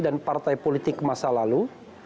dan partai politik masa lalu